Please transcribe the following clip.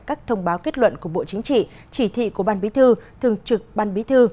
các thông báo kết luận của bộ chính trị chỉ thị của ban bí thư thường trực ban bí thư